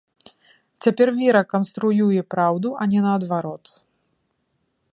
Цяпер вера канструюе праўду, а не наадварот.